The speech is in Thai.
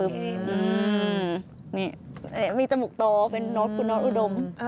มีจมูกโตกล้มโดดม